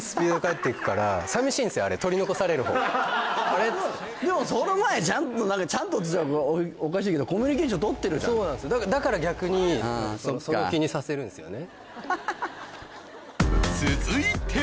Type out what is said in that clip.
っつってでもその前ちゃんとちゃんとって言ったらおかしいけどコミュニケーション取ってるじゃんそうなんすよだから逆にその気にさせるんですよね